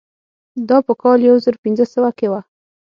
دا په کال یو زر پنځه سوه کې وه.